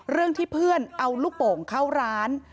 เรื่องที่เพื่อนเอาลูกโป่งเข้าร้าน